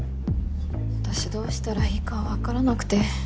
私どうしたらいいかわからなくて。